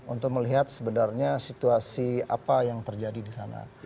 untuk melihat sebenarnya situasi apa yang terjadi di sana